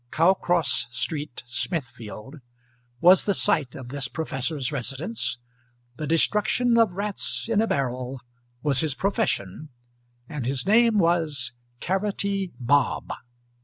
Cowcross Street, Smithfield, was the site of this professor's residence, the destruction of rats in a barrel was his profession, and his name was Carroty Bob.